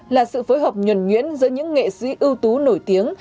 là sự phối hợp nhuẩn nhuyễn giữa những nghệ sĩ ưu tú nổi tiếng